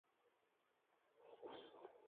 En caso contrario pueden no ser únicas.